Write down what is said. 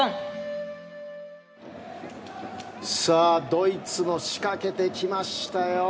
ドイツも仕掛けてきましたよ。